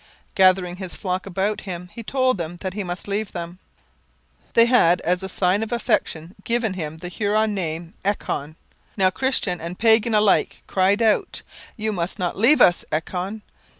Gathering his flock about him he told them that he must leave them. They had as a sign of affection given him the Huron name Echon. Now Christian and pagan alike cried out: 'You must not leave us, Echon!'